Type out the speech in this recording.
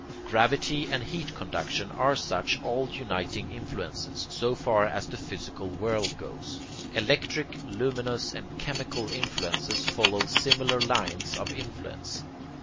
Gravity and heat conduction are such all uniting influences, so far as the physical world goes. Electric, luminous and chemical influences follow similar lines of influence.